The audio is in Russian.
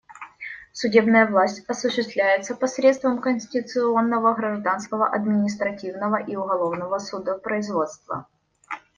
Судебная власть осуществляется посредством конституционного, гражданского, административного и уголовного судопроизводства.